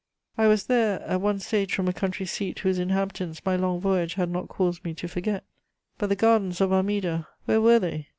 ] I was there, at one stage from a country seat whose inhabitants my long voyage had not caused me to forget. But the gardens of Armida, where were they?